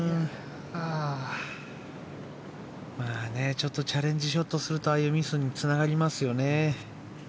ちょっとチャレンジショットするとああいうミスにつながりますよね。